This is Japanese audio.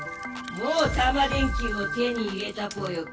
もうタマ電Ｑを手に入れたぽよか。